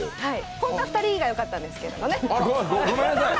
本当は２人が良かったんですけどね。